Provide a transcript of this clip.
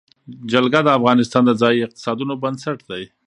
جلګه د افغانستان د ځایي اقتصادونو بنسټ دی.